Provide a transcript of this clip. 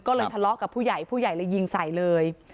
ก็เลยทะเลาะกับผู้ใหญ่ผู้ใหญ่เลยยิงใส่เลย